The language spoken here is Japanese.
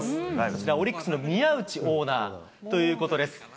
こちら、オリックスのみやうちオーナーということです。